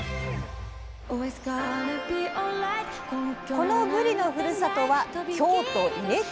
このぶりのふるさとは京都伊根町。